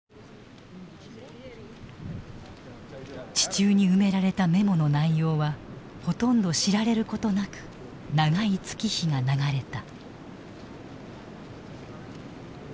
地中に埋められたメモの内容はほとんど知られることなく長い月日が流れた。